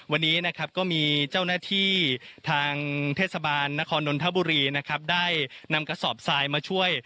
วันนี้นะครับก็มีเจ้าหน้าที่ทางเทศบาลนครนนทบุรีนะครับได้นำกระสอบทรายมาช่วย